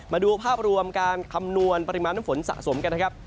มาดูภาพรวมการคำนวณปริมาณน้ำฝนสะสมกันนะครับ